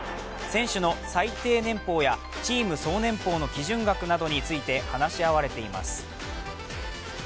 選手の最低年俸やチーム総年俸の基準額などについて話し合われています。